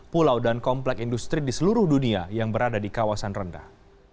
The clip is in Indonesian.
pulau dan komplek industri di seluruh dunia yang berada di kawasan rendah